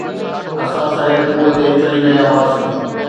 اسان سڙيل کوهه تي چڙهي رهيا هئاسين